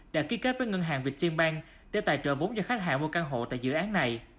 đã ký kết với ngân hàng viettelbank để tài trợ vốn cho khách hàng mua căn hộ tại dự án này